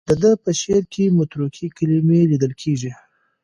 د ده په شعر کې متروکې کلمې لیدل کېږي.